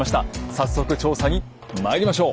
早速調査にまいりましょう！